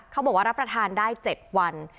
เขาบอกว่ารับประทานได้๗วัน